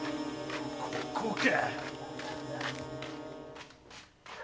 ここか！